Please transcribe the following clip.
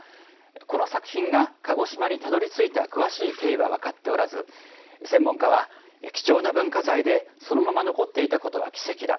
この作品が鹿児島にたどり着いた詳しい経緯は分かっておらず専門家は貴重な文化財でそのまま残っていたことが奇跡だ。